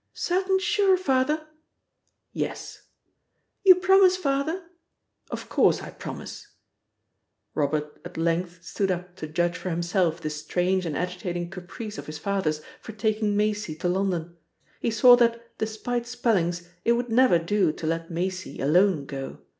"Certain sure, Father?" "Yes." "You promise, Father?" "Of course I promise." Robert at length stood up to judge for himself this strange and agitating caprice of his father's for taking Maisie to London. He saw that, despite spellings, it would never do to let Maisie alone go.